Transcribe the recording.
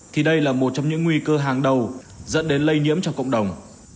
thì đây là một trong những nguy cơ hàng đầu dẫn đến lây nhiễm cho cộng đồng